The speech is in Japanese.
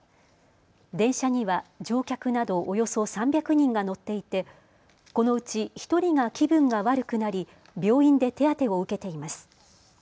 電車には乗客などおよそ３００人が乗っていてこのうち１人が気分が悪くなり病院で手当てを受けています。